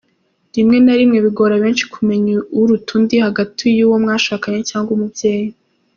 Rimwe na rimwe bigora benshi kumenya uruta undi hagati y’uwo mwashakanye cyangwa umubyeyi.